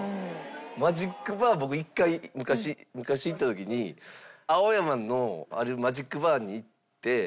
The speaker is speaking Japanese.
マジックバー僕１回昔行った時に青山のあるマジックバーに行って。